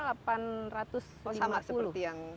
sama seperti yang dulu